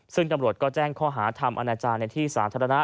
ซึ่งตำรวจก็แจ้งข้อหาทำอนาจารย์ในที่สาธารณะ